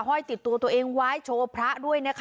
ห้อยติดตัวตัวเองไว้โชว์พระด้วยนะคะ